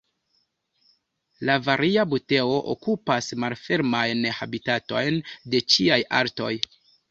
La Varia buteo okupas malfermajn habitatojn de ĉiaj altoj.